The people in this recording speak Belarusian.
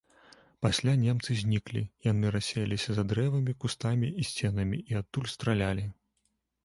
Пасля немцы зніклі, яны рассеяліся за дрэвамі, кустамі і сценамі і адтуль стралялі.